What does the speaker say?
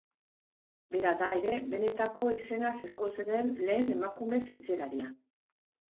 Bera da ere benetako izenaz ezagutzen den lehen emakume zientzialaria.